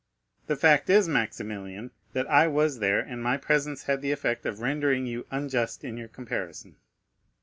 "The fact is, Maximilian, that I was there, and my presence had the effect of rendering you unjust in your comparison."